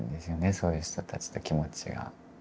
そういう人たちと気持ちが。